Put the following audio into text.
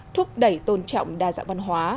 thuốc đẩy tôn trọng đa dạng văn hóa